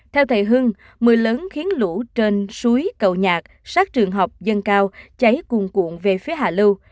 theo thầy hưng mưa lớn khiến lũ trên suối cầu nhạc sát trường học dâng cao cháy cuồng cuộn về phía hạ lưu